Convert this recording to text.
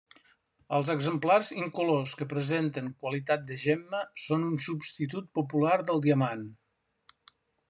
Els exemplars incolors que presenten qualitat de gemma són un substitut popular del diamant.